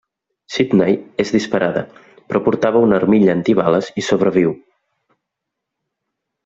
Sidney és disparada, però portava una armilla antibales i sobreviu.